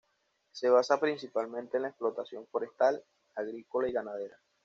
Se basa principalmente en la explotación forestal, agrícola y ganadera.